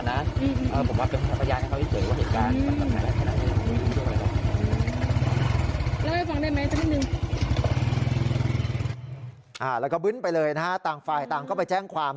อ่าแล้วก็น์ไปเลยนะฮะทางฟ่ายต่างก็ไปแจ้งความ